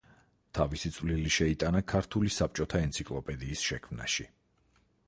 თავისი წვლილი შეიტანა ქართული საბჭოთა ენციკლოპედიის შექმნაში.